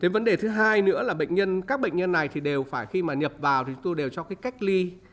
vấn đề thứ hai nữa là các bệnh nhân này thì đều phải khi mà nhập vào thì chúng tôi đều cho cách ly